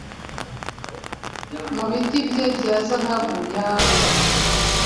Mubiti bye bya zahabu yaka